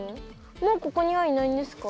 もうここにはいないんですか？